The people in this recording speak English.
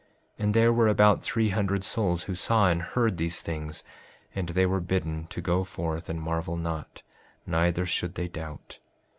5:49 And there were about three hundred souls who saw and heard these things; and they were bidden to go forth and marvel not, neither should they doubt.